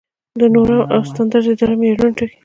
د نورم او سټنډرډ اداره معیارونه ټاکي